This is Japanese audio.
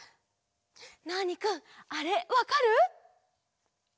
ナーニくんあれわかる？